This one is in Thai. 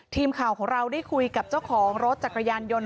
ทีมข่าวของเราได้คุยกับเจ้าของรถจักรยานยนต์